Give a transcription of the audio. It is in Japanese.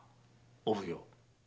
お奉行。